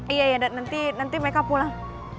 iya iya dan nanti mereka pulang